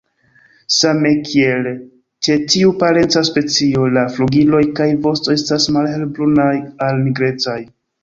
Same kiel ĉe tiu parenca specio, la flugiloj kaj vosto estas malhelbrunaj al nigrecaj.